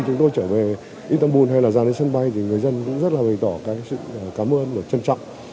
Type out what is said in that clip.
chúng tôi trở về istanbul hay là ra đến sân bay thì người dân cũng rất là bày tỏ sự cảm ơn và trân trọng